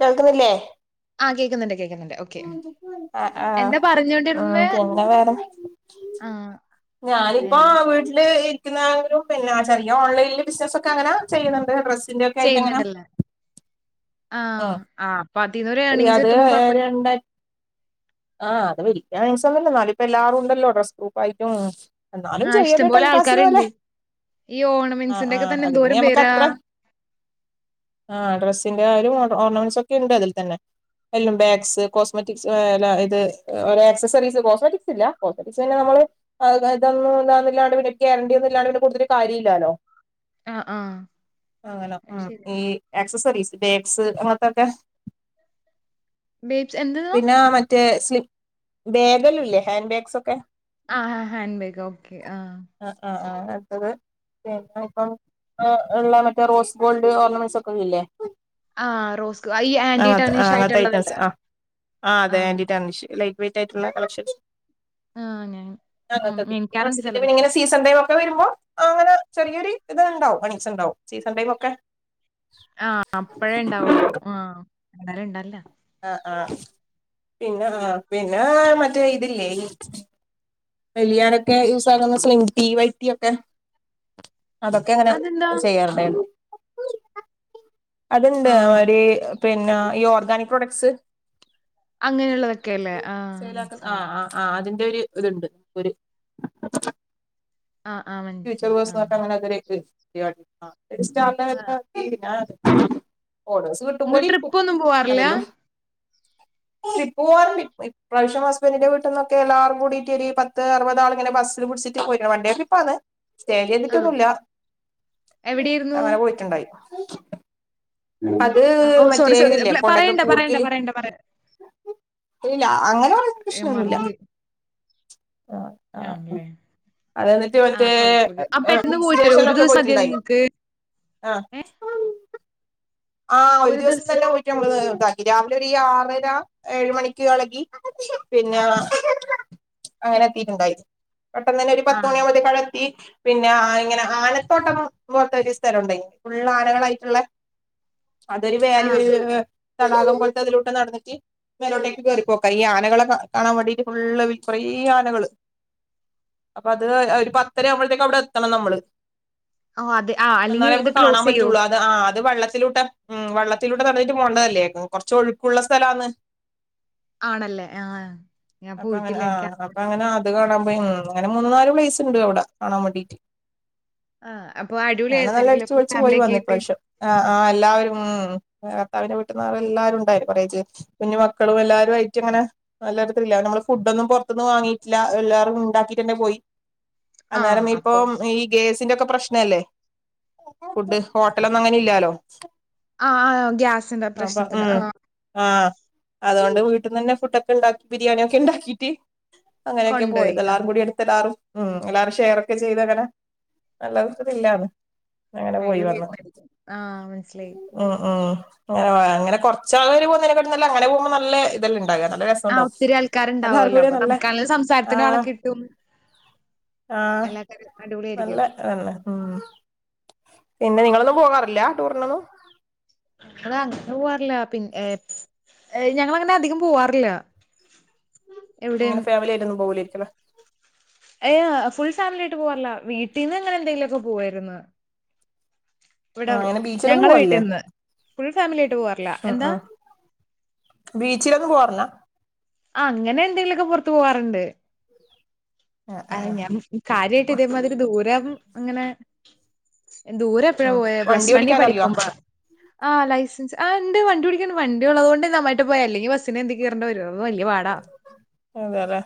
കേൾക്കുന്നില്ലേ ആഹ് കേക്കുന്നുണ്ട് കേക്കുന്നുണ്ട് ഓ ആഹ് ആഹ് ആഹ് പിന്നെ വേറെ ആഹ് ഞാനിപ്പോ വേറെ വീട്ടില് ഇ ക്കുന്ന ഒരു പിന്നെ ചെറിയ ഓൺലൈനിൽ ബിസിനസൊക്കെ അങ്ങനെ ചെയ്യുന്നുണ്ട് ഡ്രസ്സിന്റെ ഒക്കൊയിട്ട് അങ്ങനെ ചെയ്യുന്നുണ്ടല്ലേ. ആഹ് ഉം ആഹ് അപ്പൊ അതിന്ന് ഒരു ഏണിങ്സ് അത് കിട്ടുമ്പോ കൊഴപ്പുല്ല ആഹ് അത് വരിക്കാൻ രസോണല്ല നാലിപ്പോ എല്ലടോം ഉണ്ടല്ലോ ഡ്രസ് ട്രൂപ്പ് ആയിട്ടും എന്നാലും ആഹ് ചെറിയൊരു ഇഷ്ടംപോലെ ടൈം പാസിന് പോലെ ആൾക്കാരുണ്ട്. ഈ ആഹ് ഓർണമെന്റ്സിന്റെ ഒക്കെ ആഹ് തന്നെ അത്ക്കിനി എന്തോരം നമക്ക് പേരാ. അത്ര ആഹ് ഡ്രസ്സിന്റെ കാര്യം ഓഹ് ഓർണമെൻസ് ഒക്കെ ഇണ്ട് അതിൽ തന്നെ എല്ലം ബാഗ്സ് കോസ്മെറ്റിക്സ് ആയാല് ഇത് കൊറേ ആക്സസറീസ് കോസ്മെറ്റിക്സ് ഇല്ല കോസ്മെറ്റിക്സ് പിന്നെ നമ്മള് അതാ ഇതൊന്നും ഇന്നാന്നില്ലാണ്ട് ഇവിടെ കേറണ്ടിന്നില്ലാണ്ട് ഇവിടെ കൊടുത്തിട്ട് കാര്യ ഇല്ലാലോ ആഹ് ആഹ് അങ്ങനെ അത് ഉം ഈ ശരിയാ. ആക്സസറീസ് ബേഡ്സ് അങ്ങനത്തൊക്കെ ബേബ്സ് എന്തെന്നോ? പിന്നേ മ മറ്റേ സ്ലി ബേഗലില്ലേ ഹാൻഡ് ബാഗ്സൊക്കെ ആഹ് ആഹ് ഹാൻഡ്ബാഗ് ഓക്കെ ആഹ് ആഹ് ആഹ് ആഹ് അടുത്തത് പിന്നെ ഇപ്പം ഏഹ് ഇള്ള മറ്റേ റോസ് ഗോൾഡ് ഓർണമെന്റ്സ് ഒക്കെ ഇല്ലേ ആഹ് റോസ് ആഹ് അത് അങ്ങനത്തെ ഐറ്റംസ് ആഹ് ആഹ് അതെ ആന്റി ടാമ്ഷ് ലൈ വെയിറ്റ് ആയിട്ടുള്ള കളക്ഷൻസ് ആഹ് ഞാൻ ഉം [unintelligible] മേടിക്കാറുണ്ട് ഡ്രസ്സിന്റെ പണി ചിലതൊക്കെ. ഇങ്ങനെ സീസ് എന്തേ ലൊക്കെ വരുമ്പോ അങ്ങനെ ചെറിയൊരി ഇത്ണ്ടാവും പണിസൊണ്ടാവും സീസൺ ടൈം ഒക്കെ ആഹ് അപ്പഴേ ഇണ്ടാവുള്ളൂ ആഹ് അന്നര ഇണ്ടല്ല ആഹ് ആഹ് പിന്നെ ആഹ് പിന്നേ മറ്റേ ഇതില്ലേ ഈ മെലിയാനൊക്കെ യൂസ് ആകുന്ന സ്വിംഗ് റ്റീ വൈറ്റിയൊക്കെ അതൊക്കെ ഇങ്ങനെ അതെന്താ? ചെയ്യാറുണ്ടായിരുന്നു അത്ണ്ട് ആഹ് ഈമാരി പിന്നെ ഈ ഓർഗാനിക് പ്രൊഡക്ട്സ് അങ്ങനെയുള്ളതക്കല്ലേ ആഹ് മനസ്സിലായി ആഹ് അതിന്റെ ഒരു ഇതുണ്ട് ഒര് ആഹ് ആഹ് മനസ്സിലായി ആഹ് ആഹ് [unintelligible] ഓഡേഴ്‌സ് നിങ്ങൾ കിട്ടുമ്പോലിരിക്കും ട്രിപ്പൊന്നും പോവാറില്ല? അതല്ലോ ട്രിപ്പ് പോവാറുണ്ട് ഇപ് പ്രാവശ്യം ഹസ്ബന്റിന്റെ വീട്ടിന്നൊക്കെ എല്ലാറും കൂടീട്ടൊരു പത്ത് ത്തറുപതാൾ ഇങ്ങനെ ബസ്സില് പിടിച്ചിട്ട് പോയിരുന്നു വൺ ഡേ ട്രിപ്പ് ആന്ന് സ്റ്റേ ചെയ്തിട്ടൊന്നു ആഹ് ഇല്ല എവിടെയിരുന്നു? അങ്ങനെ പോയിട്ടുണ്ടായി അത് ആഹ് ഓഹ് മറ്റേ സോറി സോറി ഇതില്ലേ പ്ല കൊടഗ് പറയണ്ട പറയണ്ട കൂർഗില് പറയണ്ട പറയ ഇല്ലില്ല അങ്ങനെ പറയുന്ന ഏഹ് പ്രശ്നൊന്നു ഇല്ല ആഹ് ആണ് ല്ലേ അത് എന്നിട്ട് മറ്റേ പെട്ടെന്ന് ഹിൽ പോയിട്ട് വരോ ഒരു സ്റ്റേഷനിലൊക്കെ ദിവസം മതിയോ പോയിട്ടുണ്ടായി നിങ്ങക്ക്? ആഹ് ഏഹ് ആഹ് ഒരു ദിവസം തന്നെ പോയിട്ട് നമ്മള് ഇതാക്കി രാവിലെ ഒരു ഈ ആറര ഏഴ് മണിക്ക് എളകി പിന്നെ അങ്ങനെ എത്തീട്ടുണ്ടായി പെട്ടെന്ന് തന്നെ ഒരു പത്ത് ആഹ് മണി ആവുമ്പത്തേക്ക് അവിടെ എത്തി പിന്നെ ഇങ്ങനെ ആനത്തോട്ടം പോൽത്ത ഒരു സ്ഥലം ഉണ്ടെനിം ഫുള്ള് ആനകളായിട്ട്ള്ള അതൊരു വേറൊരു ആഹ് ഒരു തടാകം പോലത്തെ അതിലോട്ട് നടന്നിട്ട് മേലോട്ടേക്ക് കേയറി പോക്കാം ഈ ആനകളെ കാ കാണാൻ വേണ്ടിട്ട്ള്ള കൊറേ ആനകള് അപ്പൊ അത് ഒരു പത്തര ആവുമ്പോഴത്തേക്ക് അവിടെ എത്തണം നമ്മള് ആഹ് അതെ ആഹ് അല്ലെങ്കിൽ ഇത് ക്ലോസ് യ്യോ? ആഹ് അത് വെള്ളത്തിലൂട്ട് ഉം വെള്ളത്തിലൂട്ട തന്നിട്ട് പോകേണ്ടതല്ലേ കൊറച്ച ഒഴുക്കള്ള സ്ഥലാന്ന് ആണല്ലേ ആഹ് ഞാൻ അപ്പൊ അങ്ങനെ ആ പോയിട്ടില്ലേ അപ്പൊ ക്ക് [unintelligible] അങ്ങനെ അത് കാണാൻപോയി അങ്ങനെ മൂന്നാല് പ്ലേസ് ഉണ്ട് അവിടെ കാണാൻ വേണ്ടീട്ട് ആഹ് അപ്പൊ അങ്ങനെ നല്ല അടിപൊളിയായിരുന്നിരിക്കുല്ലേ ഫുൾ അടിച്ചുപൊളിച്ചു പോയി ഫാമിലി ഒക്കെ വന്ന് ആയിട്ട്? ഇപ്രാവശ്യം ആഹ് ആഹ് എല്ലാവരും ഉം ഭർത്താവിന്റെ വീട്ടന്നാ എല്ലാരും ഉണ്ടായിരുന്നു കൊറേ [unintelligible] കുഞ്ഞു മക്കളും എല്ലാരും ആയിട്ട് ഇങ്ങനെ നല്ലൊരു ത്രില്ലാണ് നമ്മള് ഫുഡ്ന്നും പൊറത്തിന്ന്‌ വാങ്ങിയിട്ടില്ല എല്ലാവരും ഉണ്ടാക്കീട്ട്ന്നെ പോയി. ആഹ് അന്നേരം ഇപ്പൊ അപ്പൊ ഈ കേസിന്റെ ഒക്കെ പ്രശ്നല്ലേ ഫുഡ് ഹോട്ടലൊന്നും അങ്ങനെ ഇല്ലാലോ? ആഹ് ആഹ് ഗ്യാസിന്റെ പ്രശ്നത്തില് ആഹ് ആഹ് അതുകൊണ്ട് വീട്ടന്ന് തന്നെ ഫുഡ്ക്കെ ഉണ്ടാക്കി ബിരിയാണിക്കെ ഉണ്ടാക്കിട്ട് അങ്ങനെയൊക്കെ കൊണ്ടോയി പോയത് ആഹ് എല്ലാരും കൂടി എടുത്ത്എട്ടല്ലാരു ഉം എല്ലാരും ഷെയറക്കെ ചെയ്തങ്ങനെ നല്ലരു ത്രില്ലാണ് അയ്ഡൂ ആഹ് മനസ്സിലായി ഉം ഉം അങ്ങനെ കൊറച്ച ആള് പോകുന്നക്കല്ല അങ്ങനെ പോകുമ്പോ നല്ല ഇതല്ല ഉണ്ടാകുക നല്ല രസാ ആഹ് ഒത്തിരി ആൾക്കാരുണ്ടാവുമല്ലോ അപ്പൊ തൽകാലം സംസാരത്തിന് ഓലെ ആഹ് കിട്ടും എല്ലാ കാര്യ അടിപൊളിയായിരിക്കു ആണല്ലെ ഉം പിന്നെ നിങ്ങളൊന്നും പോകാറില്ല ടൂറിനൊന്നും ഞ അങ്ങനെ പോവാറില്ല പിന്നെ ഞങ്ങളങ്ങനെ അധികം പോവാറില്ല എവിടെയും ഇങ്ങന ഫാമിലി ആയി ഒന്നും പോവുലായിരിക്കു ലെ ഏഹ് ഫുൾ ഫാമിലി ആയിട്ട് പോവാറില്ല വീട്ടിന്ന് എങ്ങനെ എന്തെങ്കിലുമൊക്കെ പോവായിര്ന്ന് ഇവിടെ ആഹ് അങ്ങനെ ബീച്ചിലൊന്നും ഞങ്ങളെ പോവലില്ലേ വീട്ടിൽന്ന് ഫുൾ ഫാമിലി ആയിട്ട് പോവാറില്ല എന്താ ബീച്ചിലൊന്ന പോർന്നാ ആഹ് അങ്ങനെ എന്തെങ്കിലുമൊക്കെ പൊറത്തു പോവാറുണ്ട് ആഹ് അ ആഹ് ഞാൻ കാര്യയിട്ട് ഇതേമാതിരി ദൂരം അങ്ങനെ ഏഹ് ദൂരെ എപ്പഴാ ഉം പോയ പ്ലസ് വണ്ടി വണ്ണിൽ ഓടിക്കാൻ അറിയോ പഠിക്കുമ്പോ ആ ലൈസൻസ് ആ ഉണ്ട് വണ്ടി ഓടിക്കാണ് വണ്ടി ഉള്ളതുകൊണ്ട് ന്നനായിട്ട് പോയെ അല്ലെങ്കിൽ ബസ്സിന് എന്തെ കേറണ്ടിവരോ അത് വലിയ പാടാ അതെല്ലെ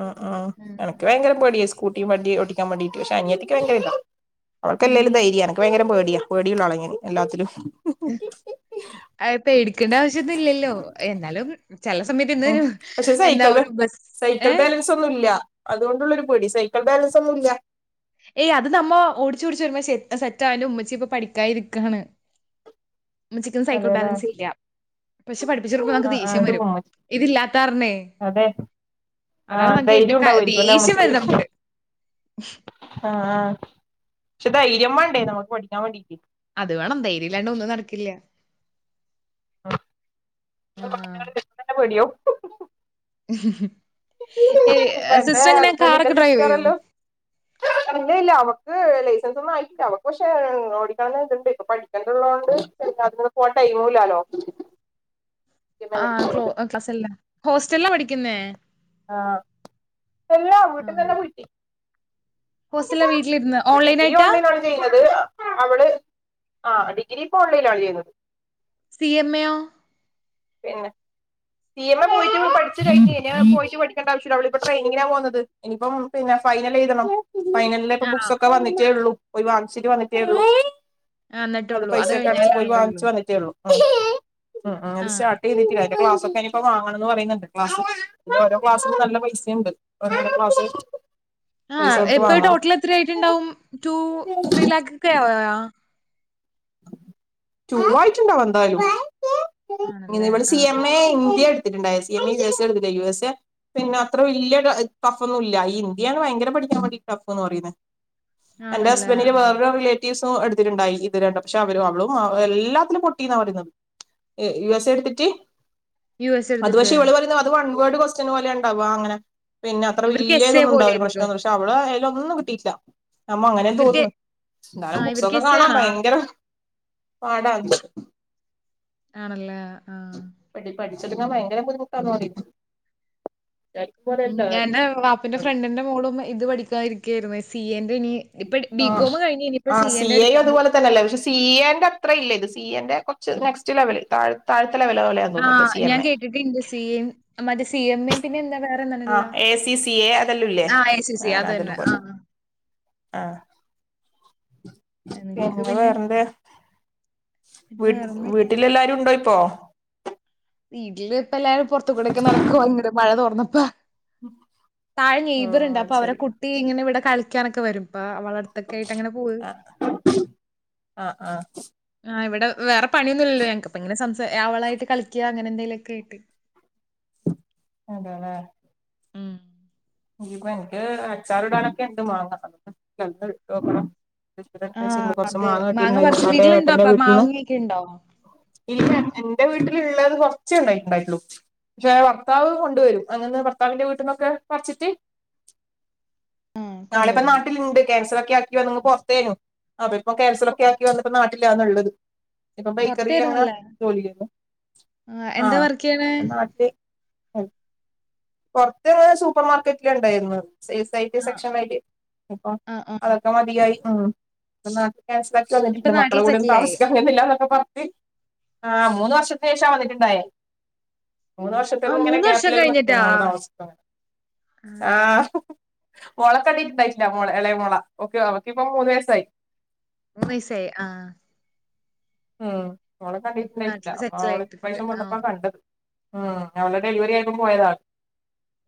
ഉം ഉം എനിക്ക് ഭയങ്കര പേടിയ സ്കൂട്ടി വ ണ്ടിഓക്കാൻ വേണ്ടീട്ട് പക്ഷെ അനിയത്തിക്ക് ഭയങ്കര ഇതാ അവക്ക് എല്ലേലും ഏയ് ദൈര്യാ എനക്ക് ഭയങ്കര പേടിയാപേടിയുള്ള ആളാ ഞാന്എല്ലാത്തിലും ഉം പേടിക്കണ്ട ആവശ്യംന്നും ഇല്ലല്ലോ എന്നാലും ചെല സമയത്ത് ഉം ഇന്നൊരു എന്താ ഒരു ബസ് ഏഹ് ഒന്നല്ല അതുകൊണ്ടുള്ളൊരു പേടി സൈക്കിൾ ബാലൻസ് ഒന്നും ഇല്ല ഏയ് അത് നമ്മ ഓടച്ച് ഓടിച്ച് വരുമ്പോ സെറ്റ ആയാലും ഉമ്മച്ചി ഇപ്പൊ പഠിക്കാരികയാണ് ഉമ്മചിക്ക് ഒന്നും സൈക്കിൾ അതെല്ലേ ബാലൻസ് ഇല്ല പക്ഷെ പഠിപ്പിച്ചെടുക്ക്പോ നമുക്ക് ആഹ് ആഹ് ദേഷ്യം ഇത് വരും ഉമ്മച്ചി ഇതില്ലാത്താരനെ അതെ അതാണ് ആഹ് നമു ധൈര്യം കേട്ട് ഉണ്ടാവുമായിരിക്കും അല്ലെ ദേഷ്യം വര ഉമ്മച്ചിക്ക് നമുക്ക് ആഹ് പക്ഷെ ധൈര്യം മാണ്ടേ നമക്ക് പഠിക്കാൻ വേണ്ടീട്ട് അത് വേണം ധൈര്യ ഇല്ലാണ്ട് ഒന്നും നടക്കില്ല ആഹ് ആഹ്. [unintelligible] പേടിയാകും ഇപ്പൊ ഏഹ് എന്റെ സിസ്റ്റർ എങ്ങനെയ ഹസ്ബന്റിന്റെ കാറൊക്കെ ഡ്രൈവ് യ്യോ സിസ്റ്ററല്ലോ [unintelligible] ഇല്ല ഇല്ല അവക്ക് ലൈസൻസ് ഒന്നും ആയിട്ടില്ല അവക്ക് പക്ഷെ ഓടിക്കണന്ന ഇതുണ്ട് ഇപ്പൊ പഠിക്കേണ്ടള്ളതോണ്ട് [unintelligible] ആഹ് ക്ലോ ക്ലാസിൽ ഹോസ്റ്റലാ പഠിക്കുന്നേ ആഹ് എല്ലാ വീട്ടിൽ ആഹ് തന്നെ കുറ്റി ഹോസ്റ്റലിലാ വീട്ടിലിരുന്ന് അപ്പോ ഓൺലൈൻ ഡിഗ്രി ആയിട്ടാ? ഉള്ളു ല്ലേ ചെയ്യുന്നത് അവള് ആഹ് ഡിഗ്രി ഇപ്പോ ഓൺലൈൻ ആണ് ചെയ്യുന്നത് സി എം എ യോ പിന്നെ സി എം എ പോയിട്ട് പഠിച്ചു കഴിഞ്ഞു ഇനി പോയിട്ട് പഠിക്കേണ്ട ആവശ്യമില്ല അവൾ ഇപ്പം ട്രെയിനിങ്ങിനാ പോകുന്നത് ഇനിയിപ്പം പിന്നെ ഫൈനൽ എഴുതണം ഫൈനൽ ഇവിടെ ഇപ്പം ആ. ബുക്സൊക്കെ വന്നിട്ടേ ഉള്ളൂ പോയി വാങ്ങിച്ചിട്ട് വന്നിട്ടേ ഉള്ളു ആ അത് എന്നിട്ടുള്ളൂ. പൈസൊക്കെ അടച്ച് പോയി കഴിഞ്ഞാലാണല്ലേ ഉള്ളൂ. വാങ്ങിച്ച് വന്നിട്ടേ ഉള്ളൂ അത് ആ. സ്റ്റാർട്ട് ചെയ്തിട്ടില്ല അതിൻ്റ ക്ലാസ് ഇനിപ്പോ വാങ്ങണംന്ന് പറയുന്നുണ്ട് ക്ലാസ്സ് ഓരോ ക്ലാസ്സും നല്ല പൈസ ഉണ്ട് ക്ലാസ് പൈസ ആഹ് കൊടുത്ത് ഇപ്പൊ വാങ്ങണം ടോട്ടൽ എത്ര ആയിട്ടുണ്ടാവും ടു ത്രീ ലാക്ക് ഒക്കെ ആയോ ചൊച്ചാഴ്ചയുണ്ടാവും എന്താലു ആണല്ലേ. ഇവൾ ആ. സി എം എ ഹിന്ദി എടുത്തേ ത്തിട്ട്ണ്ടായി C M A, U S A- പിന്നെ അത്ര വലിയ ടഫൊന്നും ഇല്ല. ഹിന്ദി ആണ് ഭയങ്കര പഠിക്കാൻ വേണ്ടി ടഫ് എന്ന് പറയുന്നേ. എന്റെ ആണല്ലേ. ഹസ്ബൻഡിൻ്റെ വേറൊരു റിലേറ്റീവ്സും എടുത്തിട്ടുണ്ടായി ഉണ്ട്. പക്ഷെ അവരും, അവളും എല്ലാത്തിലും പൊട്ടീന്നാ പറയുന്നത്. യു എസ് എ എടുത്തിട്ട്- യുഎസ് അത് എടുത്തിട്ട്. പക്ഷെ ഇവള് പറയുന്നു, അത് വൺ വേഡ് ക്വസ്റ്റ്യൻ പോലെ ണ്ടാവാ അങ്ങനെ- പിന്നെ അത്ര ഇവർക്ക് എസ്എ വല്യതൊന്നും ഉണ്ടാവില്ല പ്രശ്നം പോലെയായിരിക്കും. ഒന്നും. പക്ഷെ അവള് അതിലൊന്നും കിട്ടിയിട്ടിട്ടില്ല. താമ്പം അങ്ങനെയാ ഇവർക്ക് തോന്നുന്നേ. ആ എന്തായാലും ഇവർക്ക് ബുക്സൊക്കെ എസ്എ കാണാൻ ആണോ? ഭയ ങ്കരപാടാ ആണല്ലേ ആഹ്- പഠി പഠിച്ചെടുക്കാൻ ഭയങ്കര ബുദ്ധിമുട്ടാന്ന് പറയും. ഉം എന്റെ വാപ്പന്റെ ഫ്രണ്ടിന്റെ മോളും ഇത് പഠിക്കാനിരിക്കായിരുന്ന് സി എ ന്റെ ഇനി, ഇപ്പം ബി കോം കഴിഞ്ഞ് ഇനിയിപ്പം സി എന്റെ എടുക്കാൻ പോവു അല്ലല്ല [unintelligible] സി എ ന്റെ അത്ര ഇല്ല ഇത്. സി എ ന്റെ കുറച്ച് നെക്സ്റ്റ് ലെവല്. താഴത്തെ ലെവൽ പോലെ ആഹ് ഞാൻ കേട്ടിട്ടുണ്ട്. സി എ മറ്റേ സി എം എ- ആഹ് എ സി സി എ അതെല്ലാംല്ലേ ആ എസിസി അത് അതലും തന്നെ. ആ. പോലും- ആഹ്. പിന്നെ വേറെന്തേ? പിന്നെ വേറൊന്നുല്ല വീട്ടിലെല്ലാരും ഉണ്ടോ ഇപ്പോ? വീട്ടില് ഇപ്പം എല്ലാരും പുറത്ത് കൂടൊക്കെ നടക്കുവ ഇങ്ട് മഴ തോർന്നപ്പോ. താഴെ ആ നെയ്ബറുണ്ട്. അപ്പൊ അത് അവരെടെ ശരി കുട്ടി ഇങ്ങനെ ഇവിടെ കളിക്കാനൊക്കെ വരും. അപ്പൊ അവളടുത്തൊക്കെ ആയിട്ട് അങനെ പോകും. ആഹ് ആഹ്. ആഹ് ഇവിടെ വേറെ പണിയൊന്നുമില്ലല്ലോ ഞങ്ങൾക്കിപ്പോ ഇങ്ങനെ സംസാരിക്കുക, അവളായിട്ട് കളിക്കുക അങ്ങനെന്തങ്കലൊക്കെ ആയിട്ട്. അതല്ലേ.? ഉം. ഇത് ഇപ്പം എനിക്ക് അച്ചാർ ഇടാനൊക്കെ ഉണ്ട് മാങ്ങ. ഇനിയിപ്പം ഇട്ട് വെക്കണം. ഇപ്രാവിശ്യം കുറച്ച് മാങ്ങ പറിച്ച് കിട്ടിട്ടുണ്ടായിന് വീട്ടിലുണ്ടോ ഏട്ടന്റെ അപ്പൊ വീട്ടിൽ നിന്ന് മാങ്ങയൊക്കെ ഉണ്ടോ ഇല്ല എന്റെ വീട്ടിലുള്ളത് കുറച്ചേ ഉണ്ടായിട്ടുണ്ടായിട്ടുള്ളു. പക്ഷെ ഭർത്താവ് കൊണ്ടുവരും. അങ്ങന്ന് ഭർത്താവിന്റെ വീട്ടിന്നൊക്കെ പറച്ചിട്ട്. ആ ആളിപ്പം കൊണ്ടുവരും നാട്ടിലുണ്ട്. കാൻസലൊക്കെ ആക്കി വന്നു. അങ്ങ് പുറത്തേനു, അപ്പൊ ഇപ്പോ പൊ- കേൻസലൊക്കെ ആക്കി വന്നിപ്പോ നാട്ടിലാണുള്ളത്. ഇപ്പൊ ബേക്കറിയിൽ, അങ്ങനെ പുറത്തായിരുന്നല്ലേ ജോലി ചെയ്യുന്നു. ആ എന്താ വർക്ക് ചെയ്യണേ ഹ് നാട്ടിൽ പുറത്ത്. സൂപ്പർ മാർക്കറ്റില ഉണ്ടായിരുന്നുത്. സെയിൽസ് ആയിട്ട് ആ സെക്ഷനറയിട്ട് ഇപ്പം ആ ആ അതൊക്കെ മതിയായി. ഉം ഇപ്പോ നാട്ടില ഇപ്പൊ [unintelligible] മക്കള നാട്ടിൽ കൂടെ ഒന്നും സെറ്റിലായി താമസിക്കാൻ വരുന്നില്ലാന്നൊക്കെ പറഞ്ഞിട്ട് ആ മൂന്ന് വർഷത്തിന് ശേഷാ വന്നിട്ടുണ്ടായേ മൂന്ന് ആ വർഷത്തില് ഇങ്ങനെ മൂന്ന് വർഷം ഗ്യാപ്പില്ലല്ലോ. കഴിഞ്ഞിട്ടാ ആ ആഹ് മോളെ കണ്ടിട്ടുണ്ടായിട്ടില്ല മോളെ എളയ മോള ഓക്ക് അവക്കിപ്പം മൂന്ന് വയസ്സായി- മൂന്ന് വയ്സായി ആഹ്. ഉം മോളെ ഇപ്പൊ കണ്ടിട്ടുണ്ടായിട്ടില്ല നാട്ടില് അപ്പൊ സെറ്റിൽ അവള് ആയിട്ടുണ്ട് ഇപശ്യാം ആ വന്നപ്പോ കണ്ടത്- ഉം അവളെ ഡെലിവറി ആയിക്കും പോയതാണ്-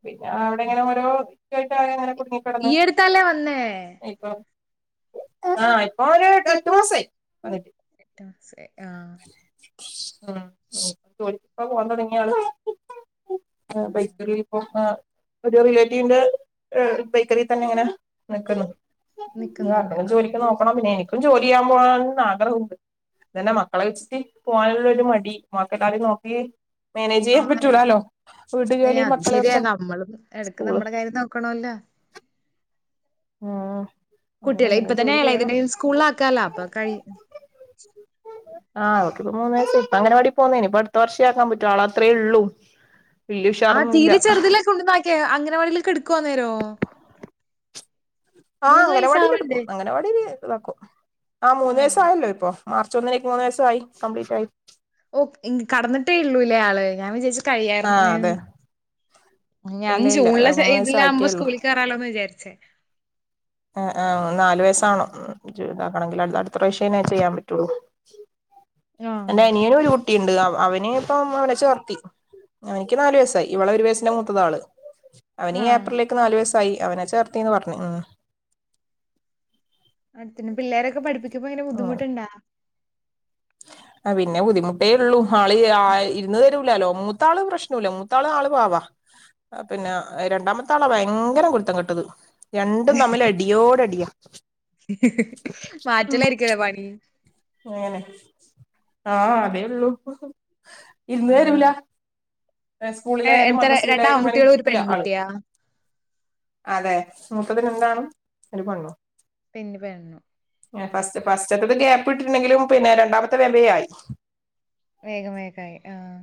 പിന്നെ അവിടെ ഇങ്ങനെ ഓരോ [unintelligible] ഈ അടുത്താലേ വന്നേ? ആഹ് ഇപ്പ അവര് എട്ട് മാസായി വന്നിട്ട്. എട്ട് മാസായി ആഹ്. ഉം [unintelligible] ജോലിക്ക് പോവാൻ തൊടങ്ങിയാള് ആഹ്ബെയിക്കറി പോന്ന്. ഒരു റിലേറ്റീവിന്റെ എ ബേക്കറി തന്നെ ഇങ്ങനെ നിക്കുന്ന്. ഇനി നിക്കുന്നുണ്ട് അവളും ആഹ് ജോലിക്ക് നോക്കണം പിന്നെ എനിക്കും ജോലി ചെയ്യാൻ പോകൻ ആഗ്രഹവുണ്ട്. തെന്നെ മക്കെളെ വെച്ചിട്ട് പോവാന്ള്ളൊരു ബാക്കെല്ലാരിം നോക്കി മേനേജെയ്യാം ആഹ് പറ്റൂലാലോ വീട്ട് ജോലീം മക്കളെ ഒക്കെ സ്കൂള് നോക്കാെണോല്ലാ ആഹ് കുട്ടികള് ഇപ്പ തന്നെ എളെയതിനെ സ്കൂൾലാക്കാലാ അപ്പ കയ് ആഹ് അവക്കിപ്പോ മൂന്ന് വയ്സ് ഇപ്പ അങ്ങനവാടി പോന്നേ നിയിപ്പ അട്ത്ത വർഷേ ആക്കാം പറ്റു ആള അത്രേ ഇള്ളൂ ആഹ് തീരെ ചെർതിലെ കൊണ്ട്ന്നാക്യെ അങ്ങനവാടില്ക്ക്ട്ക്ക്വൊ അന്നേരോ ആഹ് മൂന്ന് അങ്ങനവാടീല് ഇട്ക്കും വയസ്സാവണ്ടേ? അങ്ങനവാടീല് ഇതാക്കും ആഹ് മൂന്ന് വയസ്സായല്ലൊ ഇപ്പൊ മാർച്ച് ഒന്നിലേക്ക് മൂന്ന് വയസു ആയി കംപ്ലീറ്റായി ഓഹ് ഇൻ കട്ന്നിട്ടേ ഇള്ളൂലേ ആള് ഞാൻ വിചാര്ച്ചു ആഹ് കഴിയാർന്ന് അതെ ഞാൻ ഇല്ല ഇല്ല ജൂണ്ലെ സെ മൂന്ന് വയസ്സായിട്ടേ ഇതിലാവ്മ്പാെ ഉള്ളൂ സ്കൂളി കേറാലോന്ന് വിചാര്ച്ച് ആഹ് ആഹ് നാല് വയസ്സാവണം ഉം [unintelligible] അട്ത്ത പ്രാവ്ശ്യേ ഇനി അത് ചെയ്യാൻ പറ്റാെള്ളൂ ആഹ് എൻ്റെ അനിയന് ഒരു കുട്ടിയിണ്ട് അവ അവന് ഇപ്പം അവനെ ചേർത്തി ആഹ് എനിയ്ക്ക് നാല് വയസ്സായി ഇവളെ ഒരു വയസ്സിന്റെ മൂത്തതാ ആള് അവനീ ആഹ് ഏപ്രിൽലേക്ക് നാല് വയ്സായി അവനെ ചേർതീന്ന് പർഞ്ഞു ഉം അഹ് പിന്നെ പിള്ളേരൊക്കെ പഠിപ്പിക്കുമ്പയ്ന്റെ അങ്ങനെ ബുദ്ധിമുട്ട്ണ്ടാ ആഹ് പിന്നെ ബുദ്ധിമുട്ടേ ഇള്ളു ആള് ആഹ് ഇര്ന്ന് തെരൂലാല്ലോ മൂത്ത ആള് പ്രശ് നൂലാ മൂത്താള് ആള് പാവാ പിന്നെ രണ്ടാമത്തെ ആളാ ഭയ്ങ്കരം കുര്ത്തം കെട്ടെത് രണ്ടും തമ്മിലടിയോടടിയാ മാറ്റലായ്രിക്കുലെ പണി ങ്ങെനെ ആഹ് അതേ ഇള്ളൂ ഇര്ന്ന് തെരൂലാ ആഹ് സ്കൂളിലായാലും എത്ര രണ്ട് മദ്രസിയിലായാലും ഇങ്ങെനെ ആൺകുട്ടികളും ഒരു ഇര്ക്കൂല ആള് പെൺകുട്ടിയാ അതെ മൂത്തതിനെന്താണ് ഒര് പെണ്ണും പിന്നെ പെണ്ണു എ ആ, ഫസ്റ്റ് ഫസ്റ്റെത്തത് ഗ്യാപ്പ് ഇട്ട്ട്ട്ണ്ടെങ്കിലും പിന്നെ രണ്ടാമത്തെ വേം വേം ആയി വേഗം വേഗം ആയി ആഹ്